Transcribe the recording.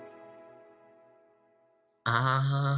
ああ！